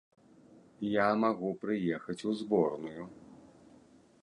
Я магу прыехаць у зборную!